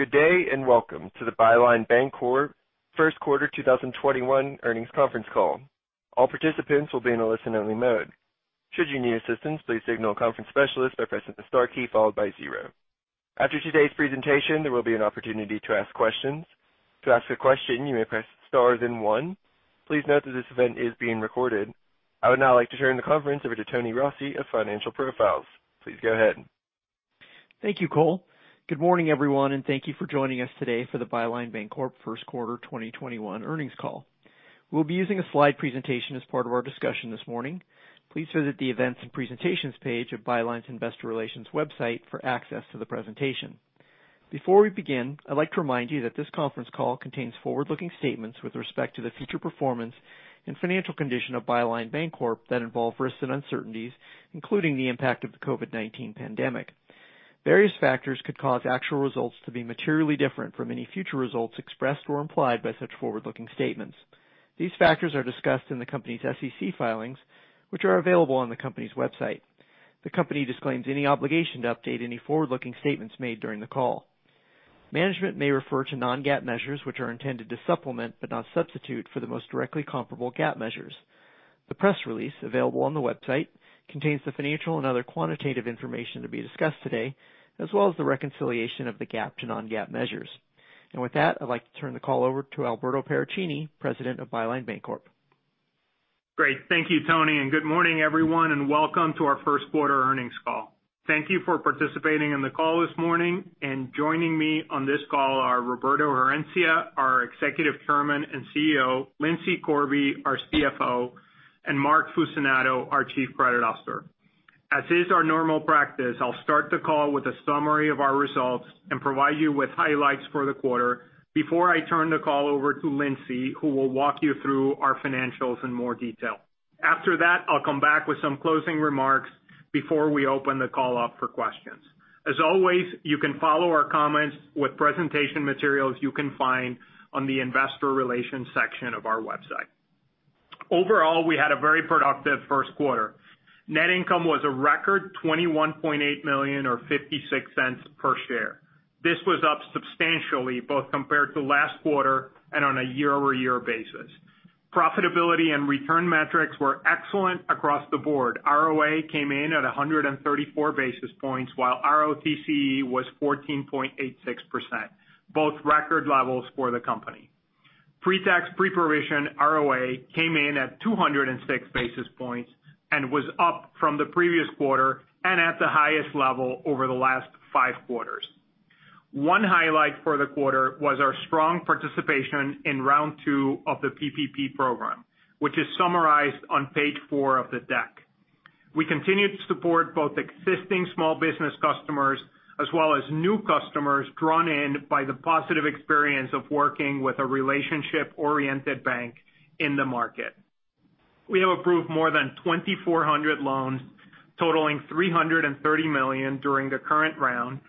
Good day, and welcome to the Byline Bancorp First Quarter 2021 Earnings Conference Call. All participants will be in a listen-only mode. Should you need assistance, please signal a conference specialist or press the star key followed by zero. After today's presentation, there will be an opportunity to ask questions. To ask a question, you may press star then one. Please note that this event is being recorded. I would now like to turn the conference over to Tony Rossi of Financial Profiles. Please go ahead. Thank you, Cole. Good morning, everyone, and thank you for joining us today for the Byline Bancorp First Quarter 2021 Earnings Call. We'll be using a slide presentation as part of our discussion this morning. Please visit the Events and Presentations page of Byline's Investor Relations website for access to the presentation. Before we begin, I'd like to remind you that this conference call contains forward-looking statements with respect to the future performance and financial condition of Byline Bancorp that involve risks and uncertainties, including the impact of the COVID-19 pandemic. Various factors could cause actual results to be materially different from any future results expressed or implied by such forward-looking statements. These factors are discussed in the company's SEC filings, which are available on the company's website. The company disclaims any obligation to update any forward-looking statements made during the call. Management may refer to non-GAAP measures, which are intended to supplement, but not substitute for, the most directly comparable GAAP measures. The press release available on the website contains the financial and other quantitative information to be discussed today, as well as the reconciliation of the GAAP to non-GAAP measures. With that, I'd like to turn the call over to Alberto Paracchini, President of Byline Bancorp. Great. Thank you, Tony, good morning, everyone, and welcome to our First Quarter Earnings Call. Thank you for participating in the call this morning. Joining me on this call are Roberto Herencia, our Executive Chairman and CEO, Lindsay Corby, our CFO, and Mark Fucinato, our Chief Credit Officer. As is our normal practice, I'll start the call with a summary of our results and provide you with highlights for the quarter before I turn the call over to Lindsay, who will walk you through our financials in more detail. After that, I'll come back with some closing remarks before we open the call up for questions. As always, you can follow our comments with presentation materials you can find on the investor relations section of our website. Overall, we had a very productive first quarter. Net income was a record $21.8 million, or $0.56 per share. This was up substantially, both compared to last quarter and on a year-over-year basis. Profitability and return metrics were excellent across the board. ROA came in at 134 basis points, while ROTCE was 14.86%, both record levels for the company. Pre-tax, pre-provision ROA came in at 206 basis points and was up from the previous quarter and at the highest level over the last five quarters. One highlight for the quarter was our strong participation in round two of the PPP program, which is summarized on page four of the deck. We continued to support both existing small business customers as well as new customers drawn in by the positive experience of working with a relationship-oriented bank in the market. We have approved more than 2,400 loans totaling $330 million during the current round,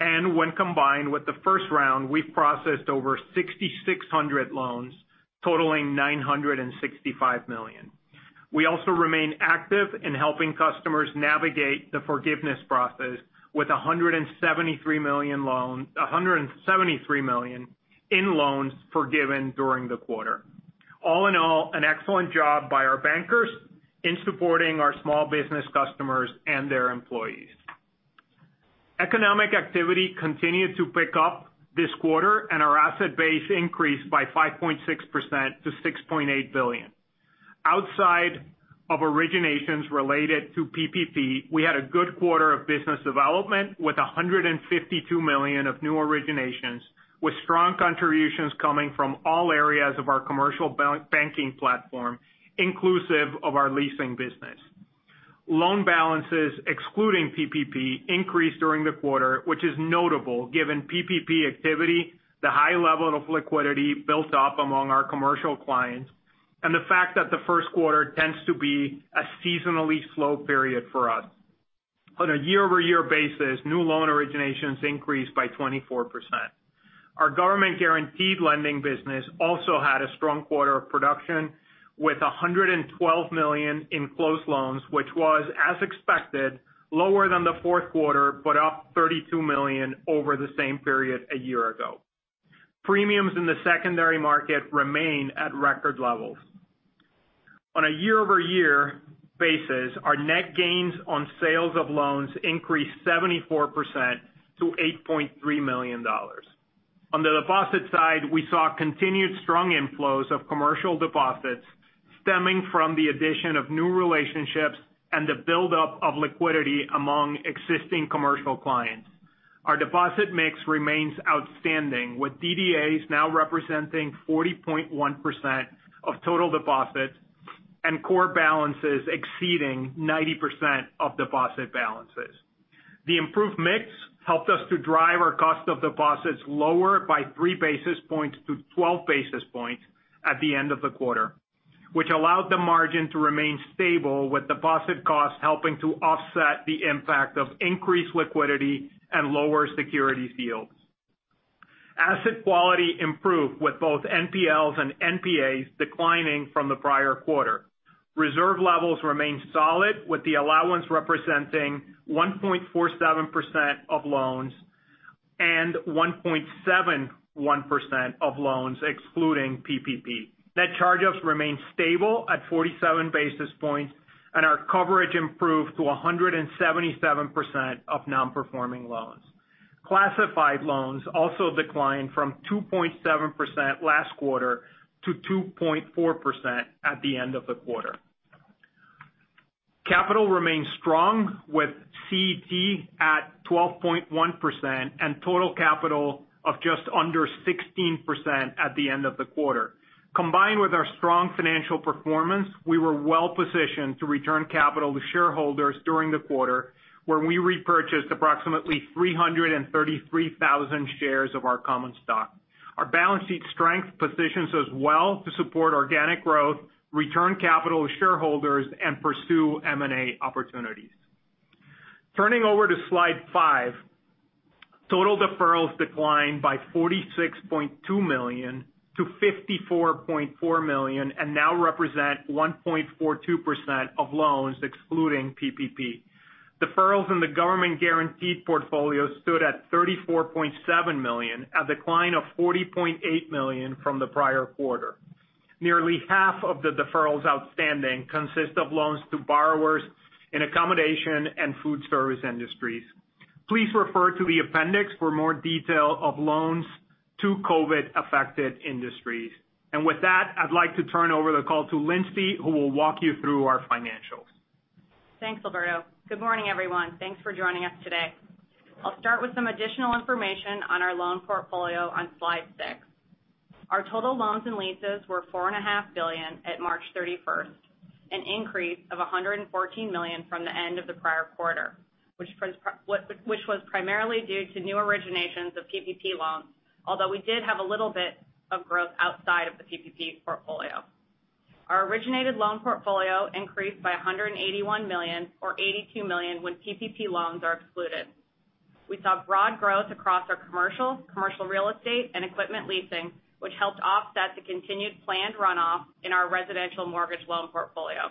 and when combined with the first round, we've processed over 6,600 loans totaling $965 million. We also remain active in helping customers navigate the forgiveness process with $173 million in loans forgiven during the quarter. All in all, an excellent job by our bankers in supporting our small business customers and their employees. Economic activity continued to pick up this quarter, and our asset base increased by 5.6% to $6.8 billion. Outside of originations related to PPP, we had a good quarter of business development with $152 million of new originations, with strong contributions coming from all areas of our commercial banking platform, inclusive of our leasing business. Loan balances, excluding PPP, increased during the quarter, which is notable given PPP activity, the high level of liquidity built up among our commercial clients, and the fact that the first quarter tends to be a seasonally slow period for us. On a year-over-year basis, new loan originations increased by 24%. Our government-guaranteed lending business also had a strong quarter of production, with $112 million in closed loans, which was, as expected, lower than the fourth quarter but up $32 million over the same period a year ago. Premiums in the secondary market remain at record levels. On a year-over-year basis, our net gains on sales of loans increased 74% to $8.3 million. On the deposit side, we saw continued strong inflows of commercial deposits stemming from the addition of new relationships and the buildup of liquidity among existing commercial clients. Our deposit mix remains outstanding, with DDAs now representing 40.1% of total deposits and core balances exceeding 90% of deposit balances. The improved mix helped us to drive our cost of deposits lower by three basis points to 12 basis points at the end of the quarter, which allowed the margin to remain stable with deposit costs helping to offset the impact of increased liquidity and lower securities yield. Asset quality improved with both NPLs and NPAs declining from the prior quarter. Reserve levels remained solid, with the allowance representing 1.47% of loans and 1.71% of loans excluding PPP. Net charge-offs remained stable at 47 basis points, and our coverage improved to 177% of non-performing loans. Classified loans also declined from 2.7% last quarter to 2.4% at the end of the quarter. Capital remains strong with CET at 12.1% and total capital of just under 16% at the end of the quarter. Combined with our strong financial performance, we were well-positioned to return capital to shareholders during the quarter where we repurchased approximately 333,000 shares of our common stock. Our balance sheet strength positions us well to support organic growth, return capital to shareholders, and pursue M&A opportunities. Turning over to slide five. Total deferrals declined by $46.2 million to $54.4 million and now represent 1.42% of loans excluding PPP. Deferrals in the government-guaranteed portfolio stood at $34.7 million, a decline of $40.8 million from the prior quarter. Nearly half of the deferrals outstanding consist of loans to borrowers in accommodation and food service industries. Please refer to the appendix for more detail of loans to COVID-affected industries. With that, I'd like to turn over the call to Lindsay, who will walk you through our financials. Thanks, Alberto. Good morning, everyone. Thanks for joining us today. I'll start with some additional information on our loan portfolio on slide six. Our total loans and leases were $4.5 billion at March 31st, an increase of $114 million from the end of the prior quarter, which was primarily due to new originations of PPP loans, although we did have a little bit of growth outside of the PPP portfolio. Our originated loan portfolio increased by $181 million, or $82 million when PPP loans are excluded. We saw broad growth across our commercial real estate, and equipment leasing, which helped offset the continued planned runoff in our residential mortgage loan portfolio.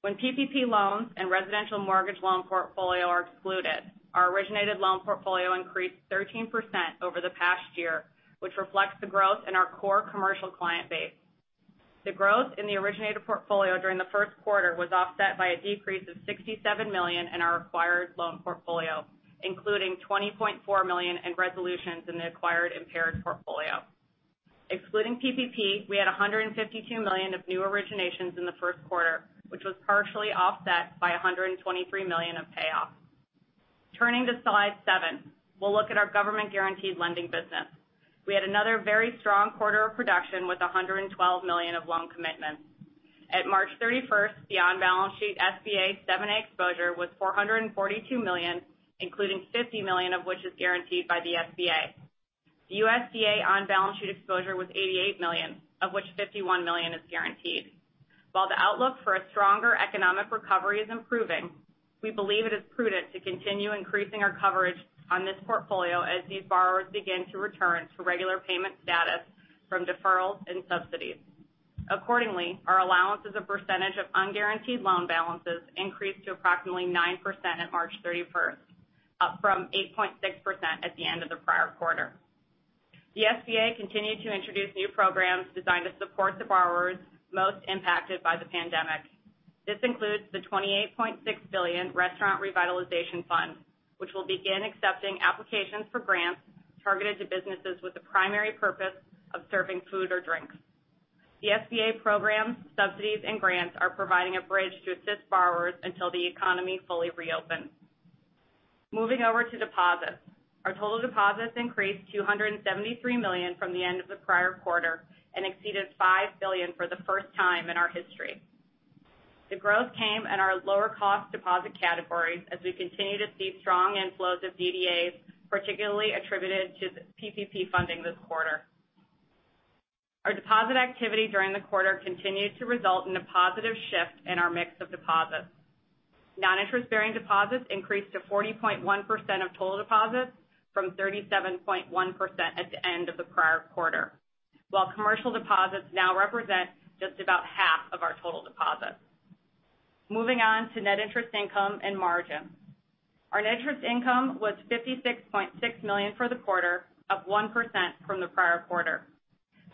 When PPP loans and residential mortgage loan portfolio are excluded, our originated loan portfolio increased 13% over the past year, which reflects the growth in our core commercial client base. The growth in the originated portfolio during the first quarter was offset by a decrease of $67 million in our acquired loan portfolio, including $20.4 million in resolutions in the acquired impaired portfolio. Excluding PPP, we had $152 million of new originations in the first quarter, which was partially offset by $123 million of payoff. Turning to slide seven, we will look at our government-guaranteed lending business. We had another very strong quarter of production with $112 million of loan commitments. At March 31st, the on-balance sheet SBA 7(a) exposure was $442 million, including $50 million of which is guaranteed by the SBA. The USDA on-balance sheet exposure was $88 million, of which $51 million is guaranteed. While the outlook for a stronger economic recovery is improving, we believe it is prudent to continue increasing our coverage on this portfolio as these borrowers begin to return to regular payment status from deferrals and subsidies. Accordingly, our allowance as a percentage of unguaranteed loan balances increased to approximately 9% at March 31st, up from 8.6% at the end of the prior quarter. The SBA continued to introduce new programs designed to support the borrowers most impacted by the pandemic. This includes the $28.6 billion Restaurant Revitalization Fund, which will begin accepting applications for grants targeted to businesses with the primary purpose of serving food or drinks. The SBA programs, subsidies, and grants are providing a bridge to assist borrowers until the economy fully reopens. Moving over to deposits. Our total deposits increased $273 million from the end of the prior quarter and exceeded $5 billion for the first time in our history. The growth came in our lower-cost deposit categories as we continue to see strong inflows of DDAs, particularly attributed to the PPP funding this quarter. Our deposit activity during the quarter continued to result in a positive shift in our mix of deposits. Non-interest-bearing deposits increased to 40.1% of total deposits from 37.1% at the end of the prior quarter, while commercial deposits now represent just about half of our total deposits. Moving on to net interest income and margin. Our net interest income was $56.6 million for the quarter, up 1% from the prior quarter.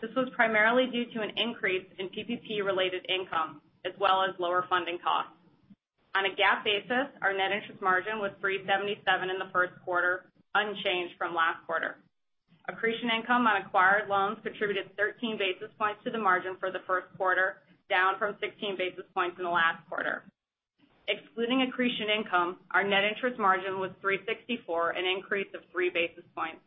This was primarily due to an increase in PPP-related income, as well as lower funding costs. On a GAAP basis, our net interest margin was 3.77% in the first quarter, unchanged from last quarter. Accretion income on acquired loans contributed 13 basis points to the margin for the first quarter, down from 16 basis points in the last quarter. Excluding accretion income, our net interest margin was 3.64%, an increase of three basis points.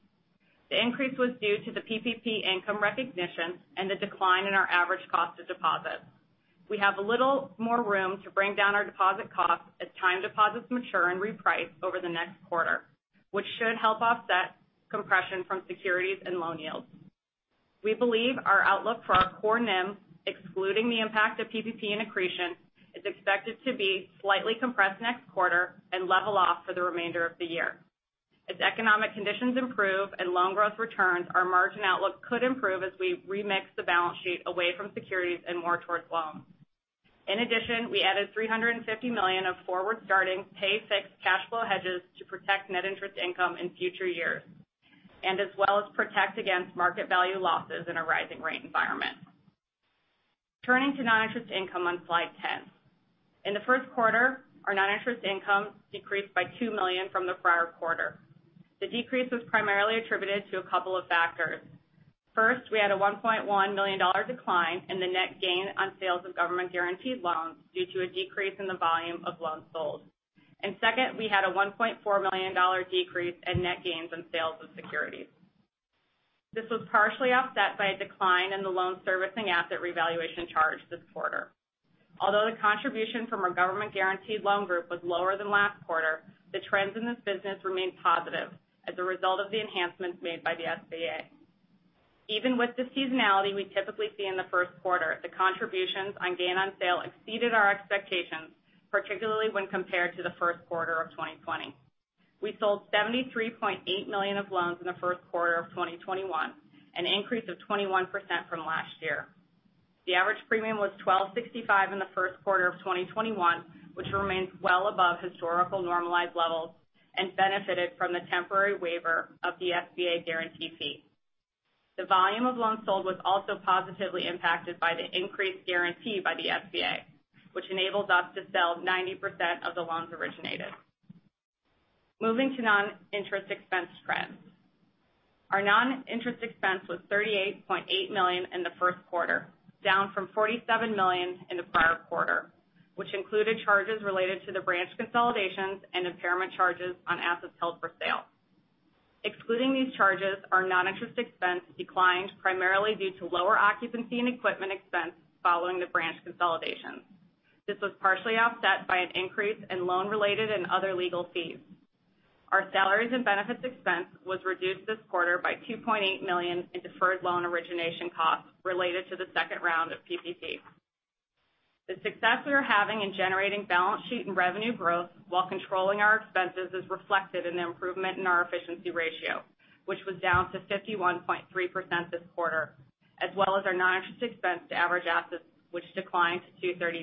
The increase was due to the PPP income recognition and the decline in our average cost of deposits. We have a little more room to bring down our deposit costs as time deposits mature and reprice over the next quarter, which should help offset compression from securities and loan yields. We believe our outlook for our core NIM, excluding the impact of PPP accretion, is expected to be slightly compressed next quarter and level off for the remainder of the year. As economic conditions improve and loan growth returns, our margin outlook could improve as we remix the balance sheet away from securities and more towards loans. In addition, we added $350 million of forward-starting pay fixed cash flow hedges to protect net interest income in future years as well as protect against market value losses in a rising rate environment. Turning to non-interest income on slide 10. In the first quarter, our non-interest income decreased by $2 million from the prior quarter. The decrease was primarily attributed to a couple of factors. First, we had a $1.1 million decline in the net gain on sales of government-guaranteed loans due to a decrease in the volume of loans sold. Second, we had a $1.4 million decrease in net gains and sales of securities. This was partially offset by a decline in the loan servicing asset revaluation charge this quarter. Although the contribution from our government-guaranteed loan group was lower than last quarter, the trends in this business remain positive as a result of the enhancements made by the SBA. Even with the seasonality we typically see in the first quarter, the contributions on gain on sale exceeded our expectations, particularly when compared to the first quarter of 2020. We sold $73.8 million of loans in the first quarter of 2021, an increase of 21% from last year. The average premium was 12.65% in the first quarter of 2021, which remains well above historical normalized levels and benefited from the temporary waiver of the SBA guarantee fee. The volume of loans sold was also positively impacted by the increased guarantee by the SBA, which enables us to sell 90% of the loans originated. Moving to non-interest expense trends. Our non-interest expense was $38.8 million in the first quarter, down from $47 million in the prior quarter, which included charges related to the branch consolidations and impairment charges on assets held for sale. Excluding these charges, our non-interest expense declined primarily due to lower occupancy and equipment expense following the branch consolidations. This was partially offset by an increase in loan-related and other legal fees. Our salaries and benefits expense was reduced this quarter by $2.8 million in deferred loan origination costs related to the second round of PPP. The success we are having in generating balance sheet and revenue growth while controlling our expenses is reflected in the improvement in our efficiency ratio, which was down to 51.3% this quarter, as well as our non-interest expense to average assets, which declined to 2.39%.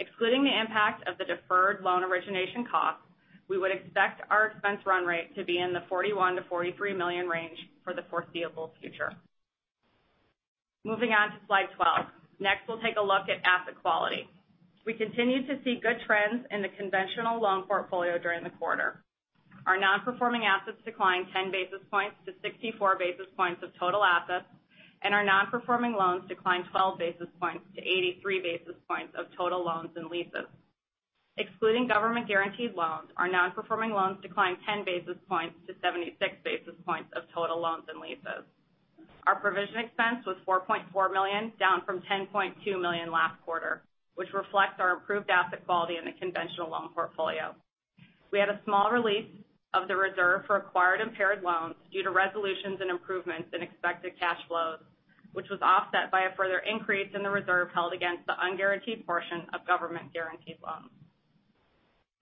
Excluding the impact of the deferred loan origination costs, we would expect our expense run rate to be in the $41 million-$43 million range for the foreseeable future. Moving on to slide 12. Next, we'll take a look at asset quality. We continue to see good trends in the conventional loan portfolio during the quarter. Our Non-Performing Assets declined 10 basis points to 64 basis points of total assets, and our non-performing loans declined 12 basis points to 83 basis points of total loans and leases. Excluding government-guaranteed loans, our non-performing loans declined 10 basis points to 76 basis points of total loans and leases. Our provision expense was $4.4 million, down from $10.2 million last quarter, which reflects our improved asset quality in the conventional loan portfolio. We had a small release of the reserve for acquired impaired loans due to resolutions and improvements in expected cash flows, which was offset by a further increase in the reserve held against the unguaranteed portion of government-guaranteed loans.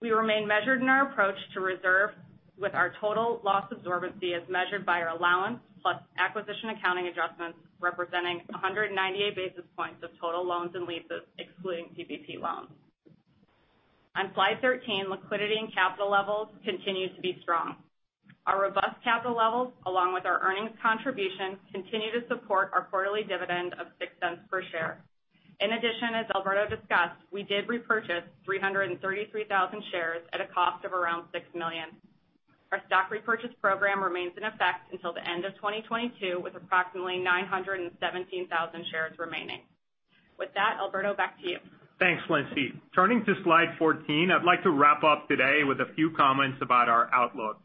We remain measured in our approach to reserve with our total loss absorbency as measured by our allowance plus acquisition accounting adjustments representing 198 basis points of total loans and leases, excluding PPP loans. On slide 13, liquidity and capital levels continue to be strong. Our robust capital levels, along with our earnings contributions, continue to support our quarterly dividend of $0.06 per share. In addition, as Alberto discussed, we did repurchase 333,000 shares at a cost of around $6 million. Our stock repurchase program remains in effect until the end of 2022, with approximately 917,000 shares remaining. With that, Alberto, back to you. Thanks, Lindsay. Turning to slide 14, I'd like to wrap up today with a few comments about our outlook.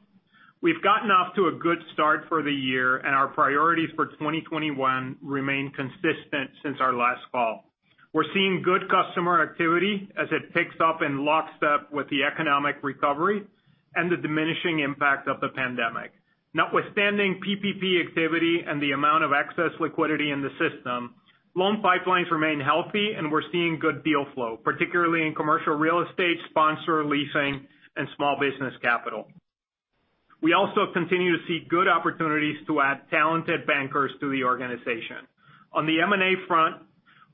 We've gotten off to a good start for the year. Our priorities for 2021 remain consistent since our last call. We're seeing good customer activity as it picks up in lockstep with the economic recovery and the diminishing impact of the pandemic. Notwithstanding PPP activity and the amount of excess liquidity in the system, loan pipelines remain healthy, and we're seeing good deal flow, particularly in commercial real estate, sponsor leasing, and small business capital. We also continue to see good opportunities to add talented bankers to the organization. On the M&A front,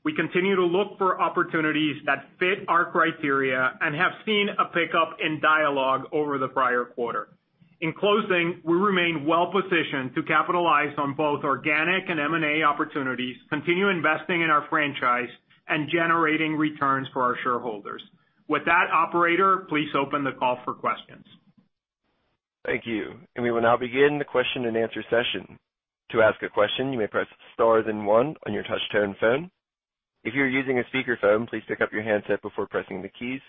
we continue to look for opportunities that fit our criteria and have seen a pickup in dialogue over the prior quarter. In closing, we remain well-positioned to capitalize on both organic and M&A opportunities, continue investing in our franchise, and generating returns for our shareholders. With that, operator, please open the call for questions. Thank you. We will now begin the question and answer session. To ask a question, you may press star then one on your touch-tone phone. If you are using a speakerphone, please pick up your handset before pressing the keys.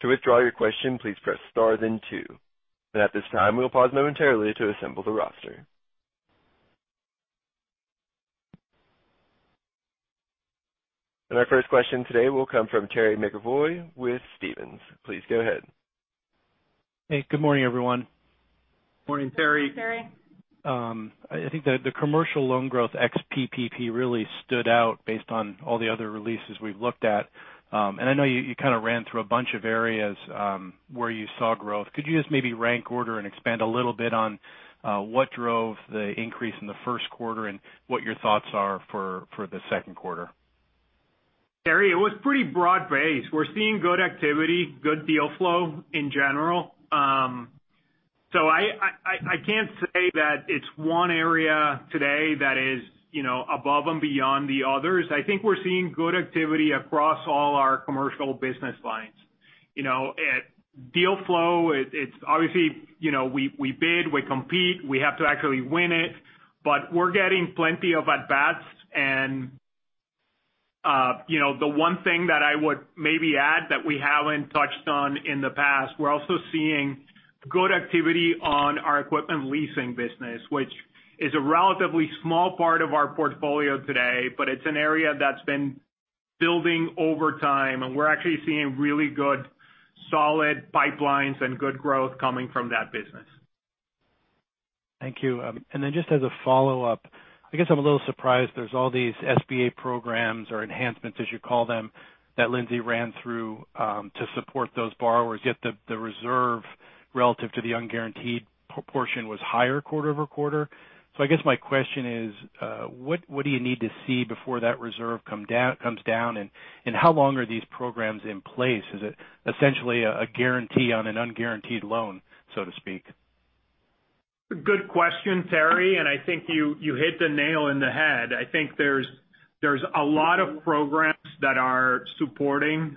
To withdraw your question, please press star then two. At this time, we will pause momentarily to assemble the roster. Our first question today will come from Terry McEvoy with Stephens. Please go ahead. Hey, good morning, everyone. Morning, Terry. Morning, Terry. I think that the commercial loan growth ex-PPP really stood out based on all the other releases we've looked at. I know you kind of ran through a bunch of areas where you saw growth. Could you just maybe rank order and expand a little bit on what drove the increase in the first quarter and what your thoughts are for the second quarter? Terry, it was pretty broad-based. We're seeing good activity, good deal flow in general. I can't say that it's one area today that is above and beyond the others. I think we're seeing good activity across all our commercial business lines. Deal flow, it's obviously, we bid, we compete, we have to actually win it, but we're getting plenty of at-bats. The one thing that I would maybe add that we haven't touched on in the past, we're also seeing good activity on our equipment leasing business, which is a relatively small part of our portfolio today. It's an area that's been building over time, and we're actually seeing really good solid pipelines and good growth coming from that business. Thank you. Just as a follow-up, I guess I'm a little surprised there's all these SBA programs or enhancements, as you call them, that Lindsay ran through, to support those borrowers, yet the reserve relative to the unguaranteed portion was higher quarter-over-quarter. I guess my question is, what do you need to see before that reserve comes down, and how long are these programs in place? Is it essentially a guarantee on an unguaranteed loan, so to speak? Good question, Terry, and I think you hit the nail in the head. I think there's a lot of programs that are supporting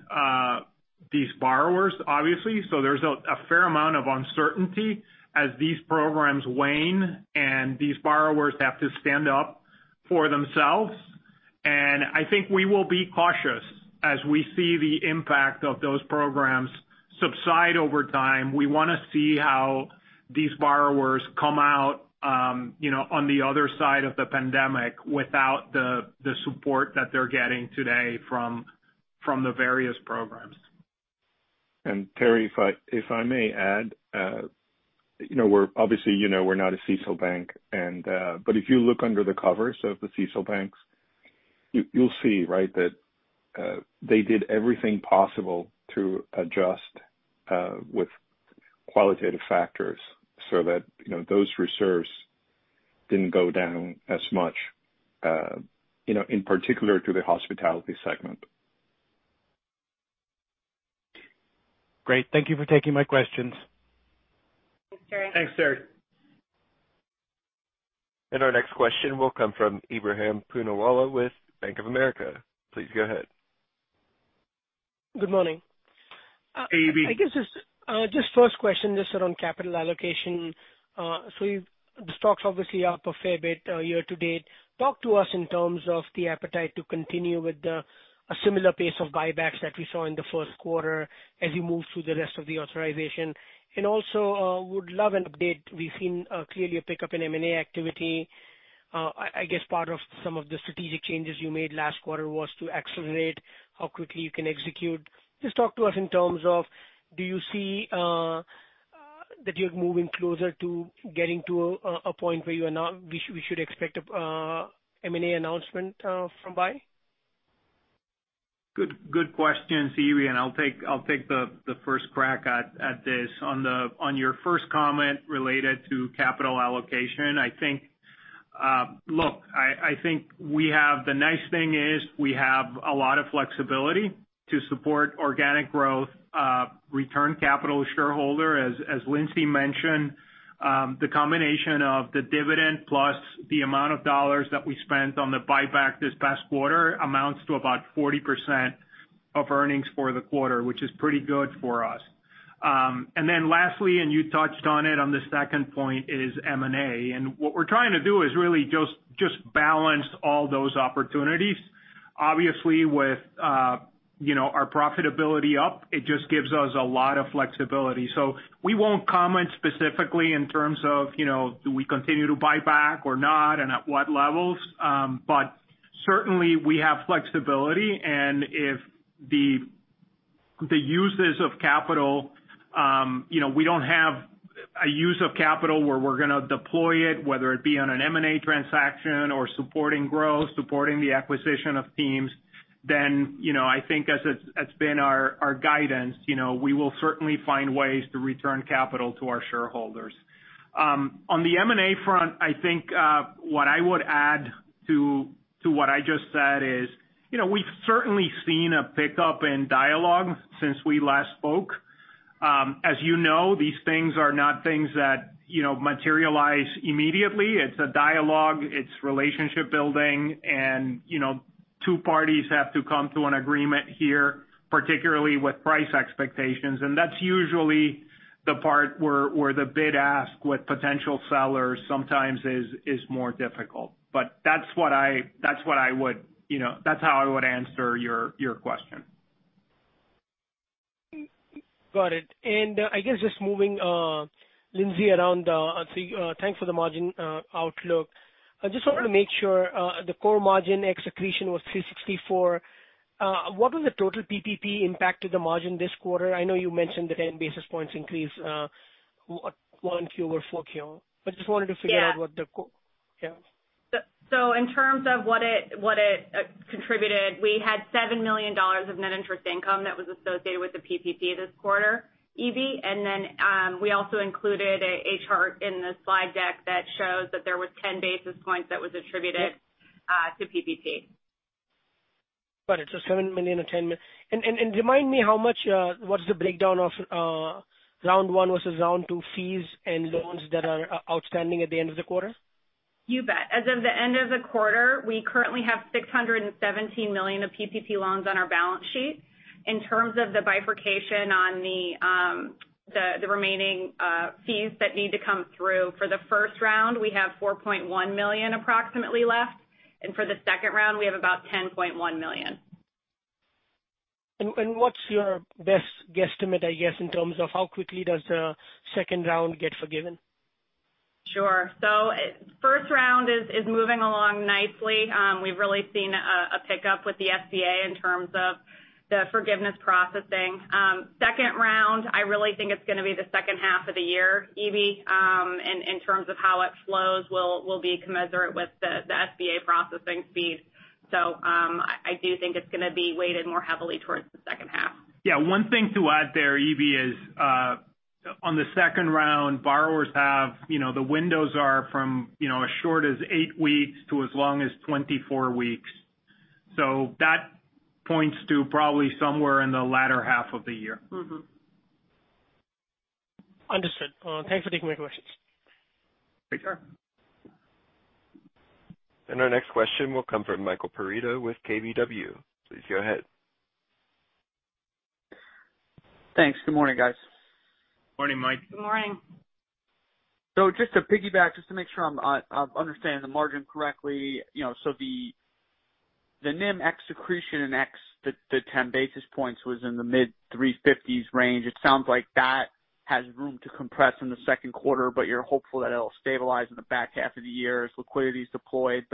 these borrowers, obviously. There's a fair amount of uncertainty as these programs wane and these borrowers have to stand up for themselves. I think we will be cautious as we see the impact of those programs subside over time. We want to see how these borrowers come out on the other side of the pandemic without the support that they're getting today from the various programs. Terry, if I may add, obviously, you know we're not a CECL bank, but if you look under the covers of the CECL banks, you'll see that they did everything possible to adjust with qualitative factors so that those reserves didn't go down as much, in particular to the hospitality segment. Great. Thank you for taking my questions. Thanks, Terry. Thanks, Terry. Our next question will come from Ebrahim Poonawala with Bank of America. Please go ahead. Good morning. Hey, Ebrahim. Just first question just around capital allocation. The stock's obviously up a fair bit year to date. Talk to us in terms of the appetite to continue with a similar pace of buybacks that we saw in the first quarter as you move through the rest of the authorization. Also, would love an update. We've seen clearly a pickup in M&A activity. I guess, part of some of the strategic changes you made last quarter was to accelerate how quickly you can execute. Talk to us in terms of, do you see that you're moving closer to getting to a point where we should expect an M&A announcement from Byline? Good question, Ebrahim. I'll take the first crack at this. On your first comment related to capital allocation. Look, I think the nice thing is we have a lot of flexibility to support organic growth, return capital to shareholder. As Lindsay mentioned, the combination of the dividend plus the amount of dollars that we spent on the buyback this past quarter amounts to about 40% of earnings for the quarter, which is pretty good for us. Lastly, and you touched on it on the second point is M&A. What we're trying to do is really just balance all those opportunities. Obviously, with our profitability up, it just gives us a lot of flexibility. We won't comment specifically in terms of do we continue to buy back or not, and at what levels? Certainly, we have flexibility, and if we don't have a use of capital where we're going to deploy it, whether it be on an M&A transaction or supporting growth, supporting the acquisition of teams, then I think as it's been our guidance, we will certainly find ways to return capital to our shareholders. On the M&A front, I think what I would add to what I just said is we've certainly seen a pickup in dialogue since we last spoke. As you know, these things are not things that materialize immediately. It's a dialogue, it's relationship building, and two parties have to come to an agreement here, particularly with price expectations. That's usually the part where the bid-ask with potential sellers sometimes is more difficult. That's how I would answer your question. Got it. I guess just moving, Lindsay, around. Thanks for the margin outlook. I just wanted to make sure the core margin accretion was 3.64%. What was the total PPP impact to the margin this quarter? I know you mentioned the 10 basis points increase Q1 over 4Q. I just wanted to figure out what the. Yeah. Yeah. In terms of what it contributed, we had $7 million of net interest income that was associated with the PPP this quarter, EB. We also included a chart in the slide deck that shows that there was 10 basis points that was attributed to PPP. Got it. $7 million or $10 million. Remind me, what is the breakdown of round one versus round two fees and loans that are outstanding at the end of the quarter? You bet. As of the end of the quarter, we currently have $617 million of PPP loans on our balance sheet. In terms of the bifurcation on the remaining fees that need to come through. For the first round, we have $4.1 million approximately left. For the second round, we have about $10.1 million. What's your best guesstimate, I guess, in terms of how quickly does the second round get forgiven? Sure. First round is moving along nicely. We've really seen a pickup with the SBA in terms of the forgiveness processing. Second round, I really think it's going to be the second half of the year, EB. In terms of how it flows will be commensurate with the SBA processing fees. I do think it's going to be weighted more heavily towards the second half. Yeah. One thing to add there, EB, is on the second round, the windows are from as short as eight weeks to as long as 24 weeks. That points to probably somewhere in the latter half of the year. Understood. Thanks for taking my questions. Sure. Our next question will come from Michael Perito with KBW. Please go ahead. Thanks. Good morning, guys. Morning, Mike. Good morning. Just to piggyback, just to make sure I'm understanding the margin correctly. The NIM ex accretion and ex the 10 basis points was in the mid 3.50% range. It sounds like that has room to compress in the second quarter, but you're hopeful that it'll stabilize in the back half of the year as liquidity is deployed.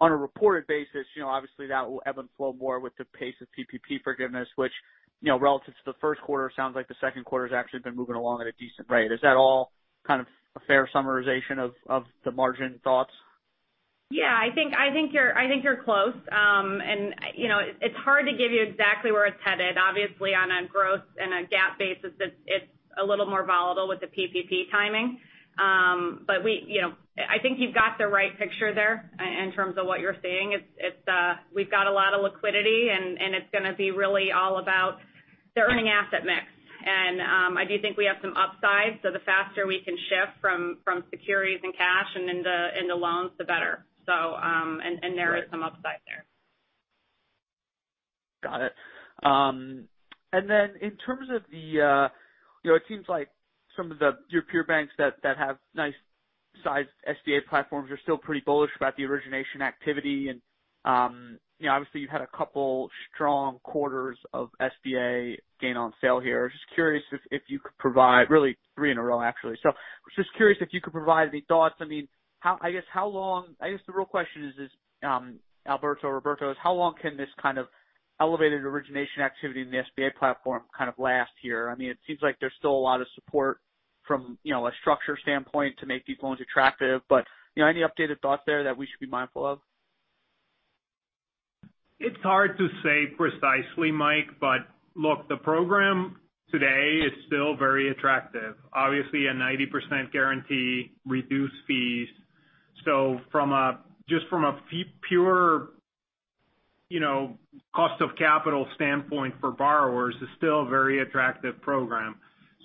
On a reported basis, obviously that will ebb and flow more with the pace of PPP forgiveness, which relative to the first quarter, sounds like the second quarter has actually been moving along at a decent rate. Is that all kind of a fair summarization of the margin thoughts? Yeah, I think you're close. It's hard to give you exactly where it's headed. Obviously, on a growth and a GAAP basis, it's a little more volatile with the PPP timing. I think you've got the right picture there in terms of what you're seeing. We've got a lot of liquidity, and it's going to be really all about the earning asset mix. I do think we have some upside, so the faster we can shift from securities and cash into loans, the better. There is some upside there. Got it. In terms of it seems like some of your peer banks that have nice-sized SBA platforms are still pretty bullish about the origination activity. Obviously, you've had a couple strong quarters of SBA gain on sale here. I was just curious if you could provide. Really three in a row, actually. I was just curious if you could provide any thoughts. I guess the real question is, Alberto or Roberto, is how long can this kind of elevated origination activity in the SBA platform kind of last here? It seems like there's still a lot of support from a structure standpoint to make these loans attractive. Any updated thoughts there that we should be mindful of? It's hard to say precisely, Mike, look, the program today is still very attractive. Obviously, a 90% guarantee, reduced fees. Just from a pure cost of capital standpoint for borrowers, it's still a very attractive program.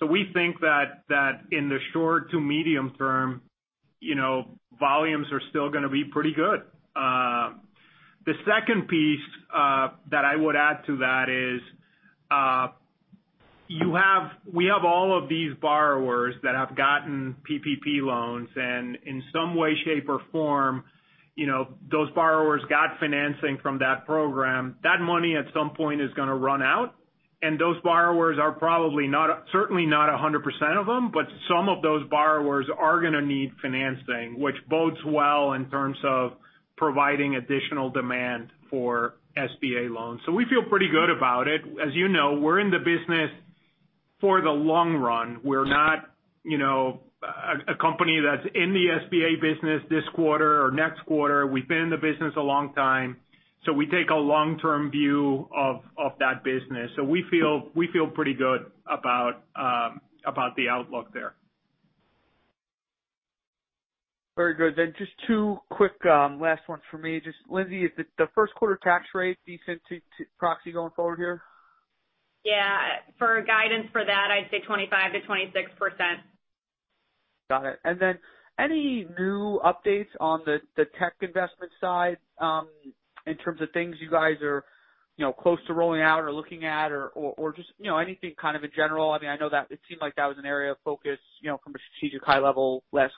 We think that in the short to medium term, volumes are still going to be pretty good. The second piece that I would add to that is we have all of these borrowers that have gotten PPP loans, and in some way, shape, or form, those borrowers got financing from that program. That money at some point is going to run out, and those borrowers are probably, certainly not 100% of them, but some of those borrowers are going to need financing, which bodes well in terms of providing additional demand for SBA loans. We feel pretty good about it. As you know, we're in the business for the long run. We're not a company that's in the SBA business this quarter or next quarter. We've been in the business a long time, we take a long-term view of that business. We feel pretty good about the outlook there. Very good. Just two quick last ones for me. Just Lindsay, is the first quarter tax rate a decent proxy going forward here? Yeah. For guidance for that, I'd say 25%-26%. Got it. Then any new updates on the tech investment side in terms of things you guys are close to rolling out or looking at or just anything kind of in general? I know that it seemed like that was an area of focus from a strategic high level last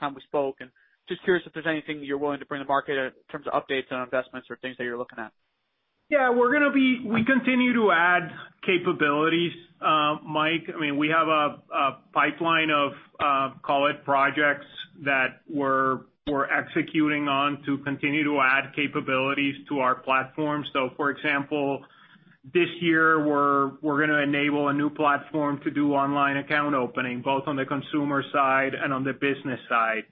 time we spoke, and just curious if there's anything you're willing to bring to market in terms of updates on investments or things that you're looking at. Yeah, we continue to add capabilities, Mike. We have a pipeline of call it projects that we're executing on to continue to add capabilities to our platform. For example, this year we're going to enable a new platform to do online account opening, both on the consumer side and on the business side.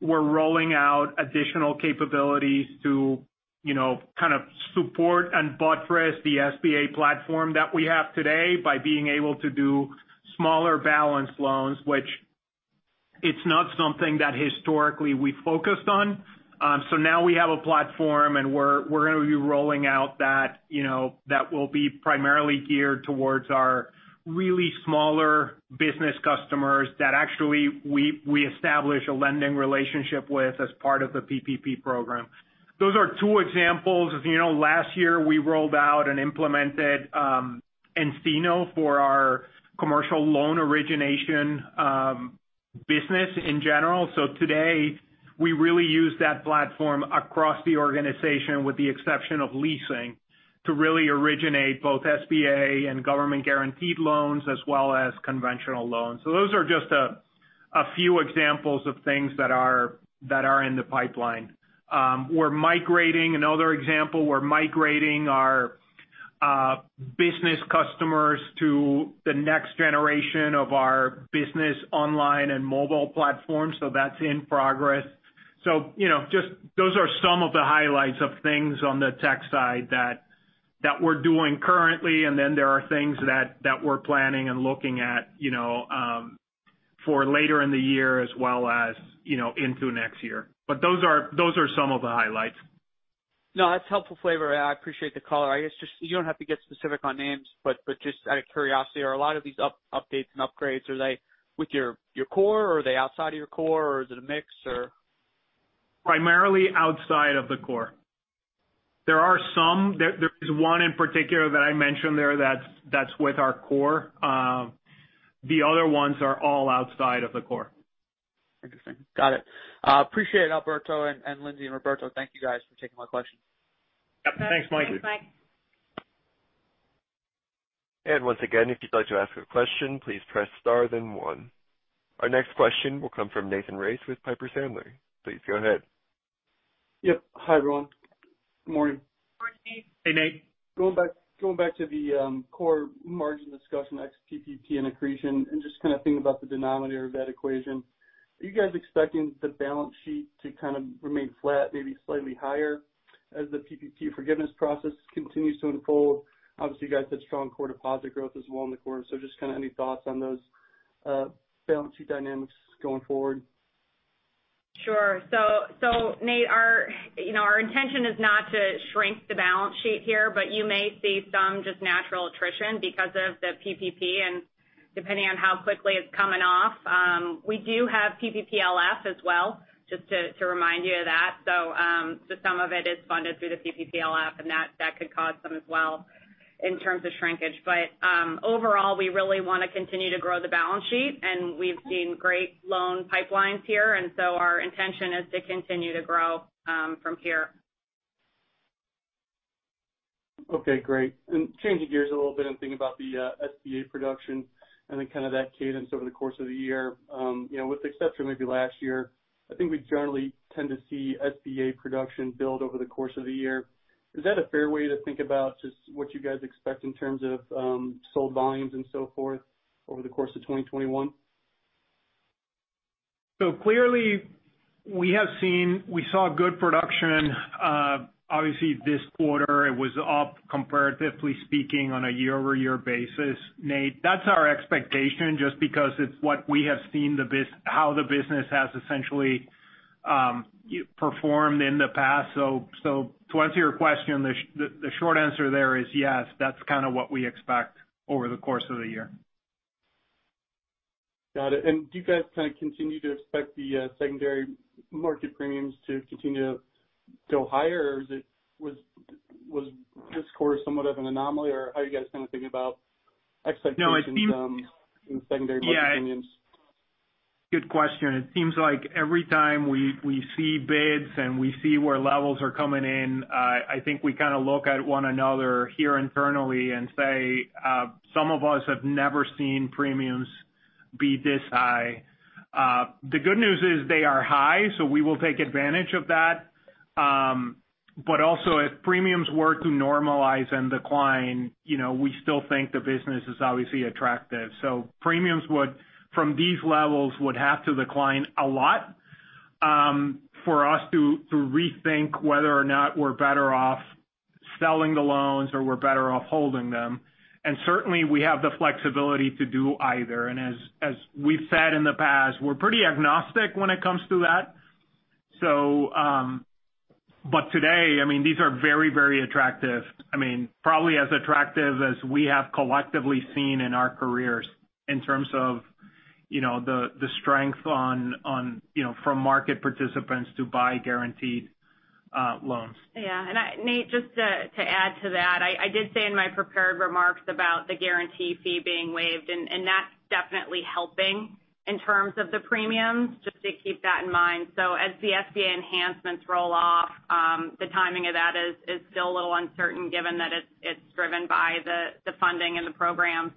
We're rolling out additional capabilities to kind of support and buttress the SBA platform that we have today by being able to do smaller balance loans, which it's not something that historically we focused on. Now we have a platform, and we're going to be rolling out that will be primarily geared towards our really smaller business customers that actually we establish a lending relationship with as part of the PPP program. Those are two examples. As you know, last year we rolled out and implemented nCino for our commercial loan origination business in general. Today, we really use that platform across the organization, with the exception of leasing, to really originate both SBA and government-guaranteed loans as well as conventional loans. Those are just a few examples of things that are in the pipeline. Another example, we're migrating our business customers to the next generation of our business online and mobile platform. That's in progress. Those are some of the highlights of things on the tech side that we're doing currently, there are things that we're planning and looking at for later in the year as well as into next year. Those are some of the highlights. No, that's helpful flavor. I appreciate the color. You don't have to get specific on names, but just out of curiosity, are a lot of these updates and upgrades with your core, or are they outside of your core, or is it a mix, or? Primarily outside of the core. There is one in particular that I mentioned there that's with our core. The other ones are all outside of the core. Interesting. Got it. Appreciate it, Alberto and Lindsay and Roberto. Thank you guys for taking my questions. Yep. Thanks, Mike. Thanks, Mike. Once again, if you'd like to ask a question, please press star then one. Our next question will come from Nathan Race with Piper Sandler. Please go ahead. Yep. Hi, everyone. Good morning. Morning, Nate. Hey, Nate. Going back to the core margin discussion, ex-PPP and accretion, and just kind of thinking about the denominator of that equation. Are you guys expecting the balance sheet to kind of remain flat, maybe slightly higher as the PPP forgiveness process continues to unfold? Obviously, you guys had strong core deposit growth as well in the quarter, so just kind of any thoughts on those balance sheet dynamics going forward? Sure. Nate, our intention is not to shrink the balance sheet here, but you may see some just natural attrition because of the PPP and depending on how quickly it's coming off. We do have PPPLF as well, just to remind you of that. Some of it is funded through the PPPLF and that could cause some as well in terms of shrinkage. Overall, we really want to continue to grow the balance sheet, and we've seen great loan pipelines here, and so our intention is to continue to grow from here. Okay, great. Changing gears a little bit and thinking about the SBA production and then kind of that cadence over the course of the year. With the exception of maybe last year, I think we generally tend to see SBA production build over the course of the year. Is that a fair way to think about just what you guys expect in terms of sold volumes and so forth over the course of 2021? Clearly we saw good production. Obviously this quarter it was up comparatively speaking on a year-over-year basis, Nate. That's our expectation just because it's what we have seen how the business has essentially performed in the past. To answer your question, the short answer there is yes, that's kind of what we expect over the course of the year. Got it. Do you guys kind of continue to expect the secondary market premiums to continue to go higher? Was this quarter somewhat of an anomaly? How are you guys kind of thinking about expectations? No, it seems- In secondary market premiums? Yeah. Good question. It seems like every time we see bids and we see where levels are coming in, I think we kind of look at one another here internally and say, some of us have never seen premiums be this high. The good news is they are high, so we will take advantage of that. Also if premiums were to normalize and decline, we still think the business is obviously attractive. Premiums from these levels would have to decline a lot for us to rethink whether or not we're better off selling the loans or we're better off holding them. Certainly we have the flexibility to do either. As we've said in the past, we're pretty agnostic when it comes to that. Today, these are very, very attractive. Probably as attractive as we have collectively seen in our careers in terms of the strength from market participants to buy guaranteed loans. Yeah. Nate, just to add to that, I did say in my prepared remarks about the guarantee fee being waived, and that's definitely helping. In terms of the premiums, just to keep that in mind. As the SBA enhancements roll off, the timing of that is still a little uncertain given that it's driven by the funding and the program.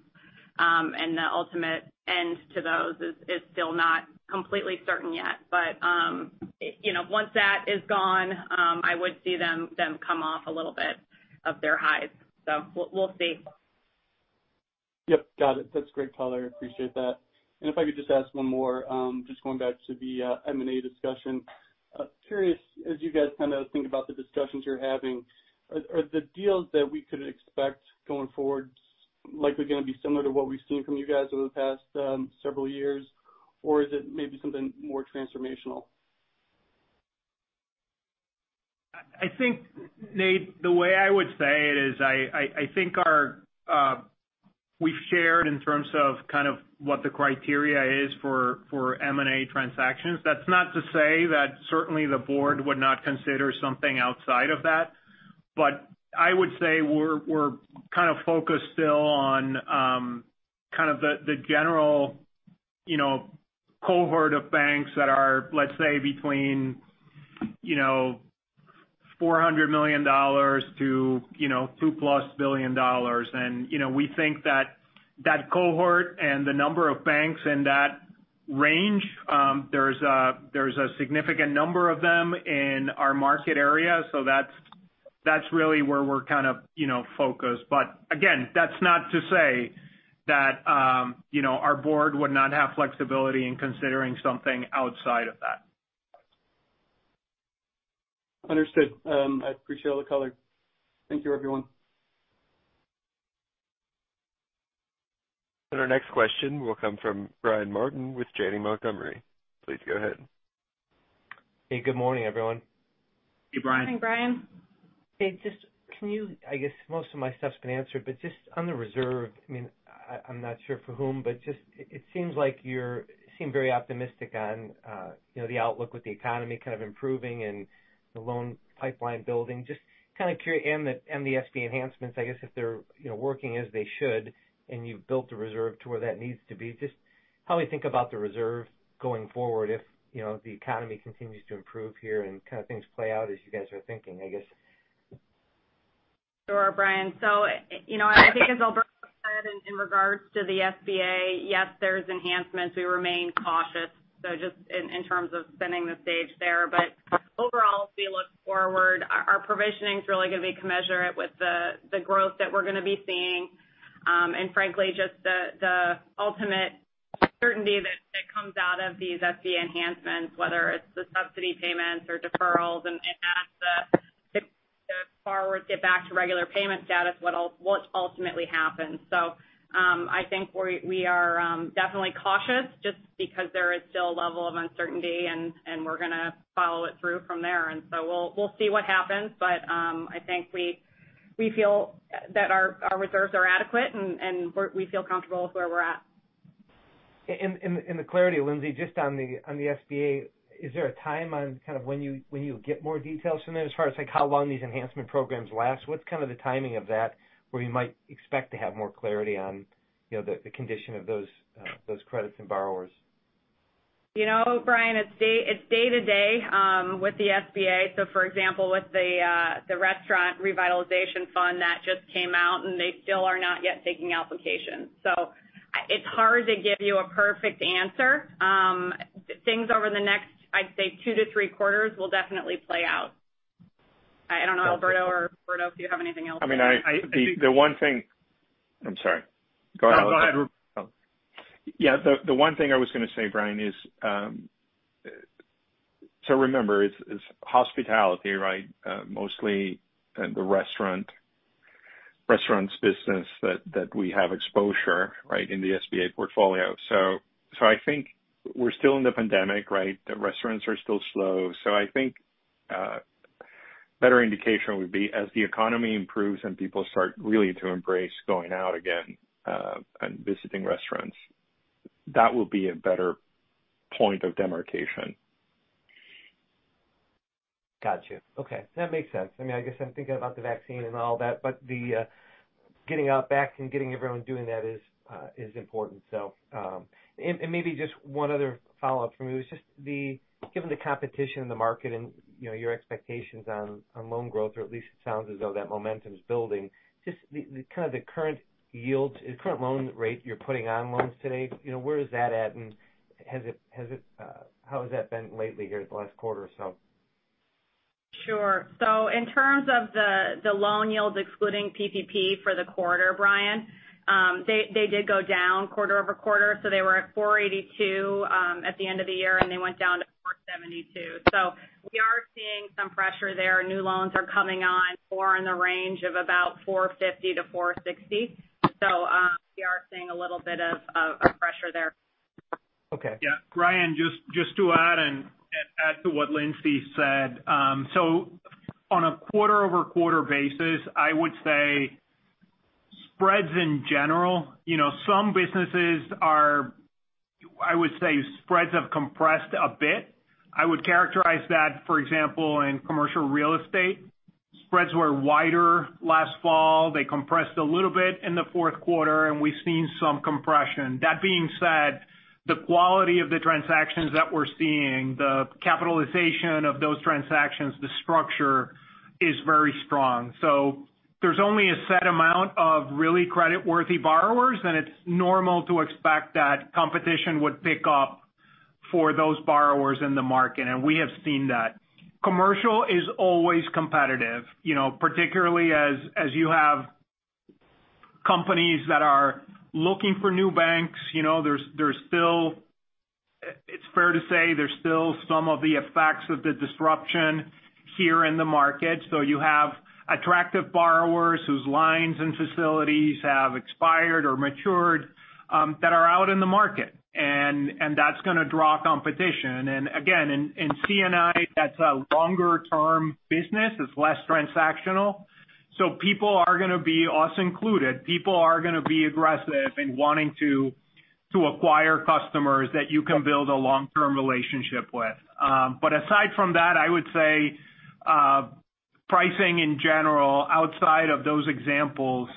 The ultimate end to those is still not completely certain yet. Once that is gone, I would see them come off a little bit of their highs. We'll see. Yep, got it. That's great color. I appreciate that. If I could just ask one more, just going back to the M&A discussion. Curious, as you guys think about the discussions you're having, are the deals that we could expect going forward likely going to be similar to what we've seen from you guys over the past several years, or is it maybe something more transformational? I think, Nate, the way I would say it is, I think we've shared in terms of what the criteria is for M&A transactions. That's not to say that certainly the board would not consider something outside of that, but I would say we're focused still on the general cohort of banks that are, let's say, between $400 million-$2+ billion. We think that that cohort and the number of banks in that range, there's a significant number of them in our market area. That's really where we're focused. But again, that's not to say that our board would not have flexibility in considering something outside of that. Understood. I appreciate all the color. Thank you, everyone. Our next question will come from Brian Martin with Janney Montgomery. Please go ahead. Hey, good morning, everyone. Hey, Brian. Morning, Brian. Hey, I guess most of my stuff's been answered, but just on the reserve, I'm not sure for whom, but you seem very optimistic on the outlook with the economy kind of improving and the loan pipeline building. Just kind of curious and the SBA enhancements, I guess if they're working as they should and you've built the reserve to where that needs to be, just how we think about the reserve going forward if the economy continues to improve here and things play out as you guys are thinking, I guess? Sure, Brian. I think as Alberto said in regards to the SBA, yes, there's enhancements. We remain cautious. Just in terms of setting the stage there. Overall, as we look forward, our provisionings really going to be commensurate with the growth that we're going to be seeing. And frankly, just the ultimate certainty that comes out of these SBA enhancements, whether it's the subsidy payments or deferrals, and as the borrowers get back to regular payment status, what ultimately happens. I think we are definitely cautious just because there is still a level of uncertainty, and we're going to follow it through from there. We'll see what happens. I think we feel that our reserves are adequate, and we feel comfortable with where we're at. In the clarity, Lindsay, just on the SBA, is there a time on when you get more details from that as far as how long these enhancement programs last? What's the timing of that where you might expect to have more clarity on the condition of those credits and borrowers? You know, Brian, it's day-to-day with the SBA. For example, with the Restaurant Revitalization Fund that just came out, and they still are not yet taking applications. It's hard to give you a perfect answer. Things over the next, I'd say, two to three quarters will definitely play out. I don't know, Alberto or Roberto, if you have anything else to add. I'm sorry. Go ahead, Alberto. No, go ahead. Yeah. The one thing I was going to say, Brian, is remember, it's hospitality, right? Mostly the restaurant business that we have exposure in the SBA portfolio. I think we're still in the pandemic, right? The restaurants are still slow. I think better indication would be as the economy improves and people start really to embrace going out again and visiting restaurants. That will be a better point of demarcation. Got you. Okay. That makes sense. I guess I'm thinking about the vaccine and all that, but the getting out back and getting everyone doing that is important. Maybe just one other follow-up from me was just given the competition in the market and your expectations on loan growth, or at least it sounds as though that momentum's building. Just the current loan rate you're putting on loans today, where is that at, and how has that been lately here the last quarter or so? Sure. In terms of the loan yields excluding PPP for the quarter, Brian, they did go down quarter-over-quarter. They were at 482 at the end of the year, and they went down to 472. We are seeing some pressure there. New loans are coming on or in the range of about 450-460. We are seeing a little bit of pressure there. Okay. Yeah. Brian, just to add to what Lindsay said. On a quarter-over-quarter basis, I would say spreads in general. Some businesses are, I would say, spreads have compressed a bit. I would characterize that, for example, in commercial real estate. Spreads were wider last fall. They compressed a little bit in the fourth quarter, and we've seen some compression. That being said, the quality of the transactions that we're seeing, the capitalization of those transactions, the structure is very strong. There's only a set amount of really credit-worthy borrowers, and it's normal to expect that competition would pick up for those borrowers in the market. We have seen that. Commercial is always competitive. Particularly as you have companies that are looking for new banks. It's fair to say there's still some of the effects of the disruption here in the market. You have attractive borrowers whose lines and facilities have expired or matured, that are out in the market. That's going to draw competition. Again, in C&I, that's a longer-term business. It's less transactional. People are going to be, us included, people are going to be aggressive in wanting to acquire customers that you can build a long-term relationship with. Aside from that, I would say pricing in general outside of those examples,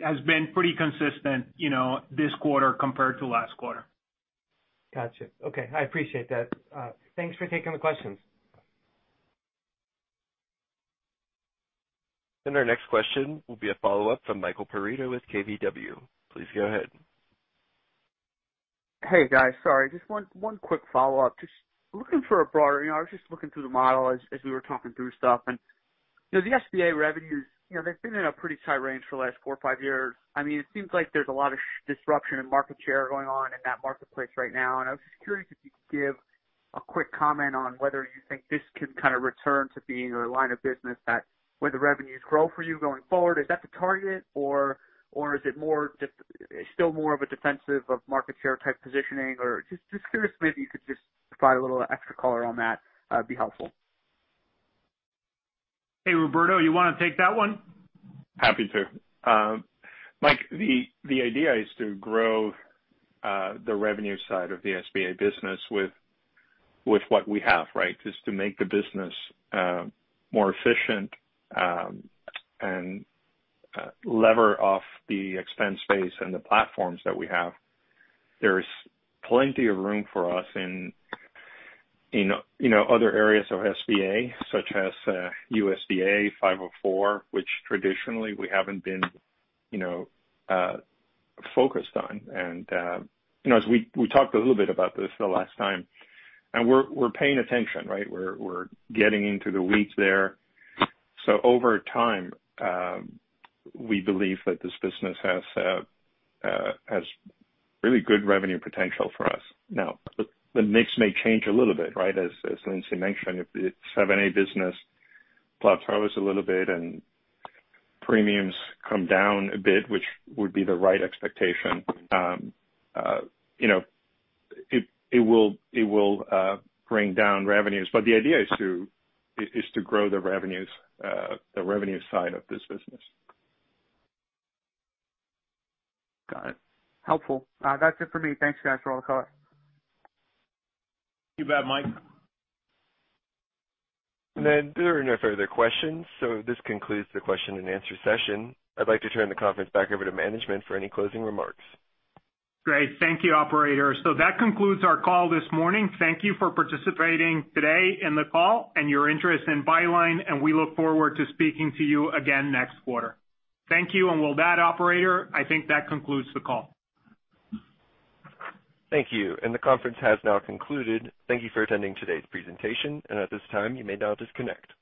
has been pretty consistent this quarter compared to last quarter. Got you. Okay. I appreciate that. Thanks for taking the questions. Our next question will be a follow-up from Michael Perito with KBW. Please go ahead. Hey, guys. Sorry, just one quick follow-up. Just looking through the model as we were talking through stuff. The SBA revenues, they've been in a pretty tight range for the last four or five years. It seems like there's a lot of disruption in market share going on in that marketplace right now. I was curious if you could give a quick comment on whether you think this could kind of return to being a line of business that where the revenues grow for you going forward. Is that the target, or is it still more of a defensive of market share type positioning? Just curious if maybe you could just provide a little extra color on that'd be helpful. Hey, Roberto, you want to take that one? Happy to. Mike, the idea is to grow the revenue side of the SBA business with what we have, right? Is to make the business more efficient and lever off the expense base and the platforms that we have. There's plenty of room for us in other areas of SBA, such as USDA, 504, which traditionally we haven't been focused on. As we talked a little bit about this the last time, we're paying attention, right? We're getting into the weeds there. Over time, we believe that this business has really good revenue potential for us. Now, the mix may change a little bit, right? As Lindsay mentioned, if the 7(a) business plateaus a little bit and premiums come down a bit, which would be the right expectation. It will bring down revenues. The idea is to grow the revenues, the revenue side of this business. Got it. Helpful. That's it for me. Thanks guys for all the color. You bet, Mike. There are no further questions. This concludes the question and answer session. I'd like to turn the conference back over to management for any closing remarks. Great. Thank you, operator. That concludes our call this morning. Thank you for participating today in the call and your interest in Byline, and we look forward to speaking to you again next quarter. Thank you, and with that operator, I think that concludes the call. Thank you. The conference has now concluded. Thank you for attending today's presentation, and at this time, you may now disconnect.